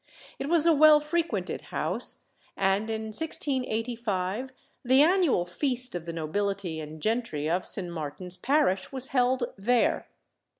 It was a well frequented house, and in 1685 the annual feast of the nobility and gentry of St. Martin's parish was held there.